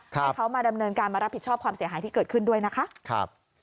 ให้เขามาดำเนินการมารับผิดชอบความเสียหายที่เกิดขึ้นด้วยนะคะ